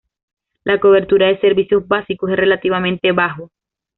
La cobertura de servicios básicos es relativamente bajo.